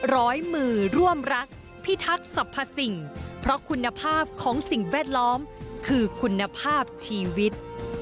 ร้อยมือร่วมรักพิทักษ์สรรพสิ่งเพราะคุณภาพของสิ่งแวดล้อมคือคุณภาพชีวิต